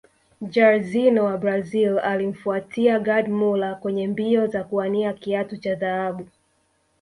Jairzinho wa Brazil alimfuatia gerd muller kwenye mbio za kuwania kiatu cha dhahabu